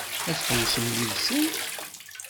Ad tḥewwsem yid-sent?